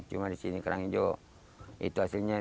cuma di sini kerang hijau itu hasilnya